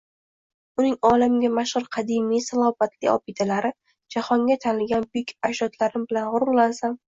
Uning olamga mashhur qadimiy, salobatli obidalari, jahonga tanilgan buyuk ajdodlarim bilan g‘ururlansam